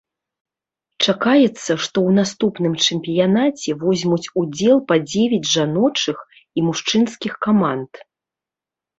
Чакаецца, што ў наступным чэмпіянаце возьмуць удзел па дзевяць жаночых і мужчынскіх каманд.